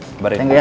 kabarin gue ya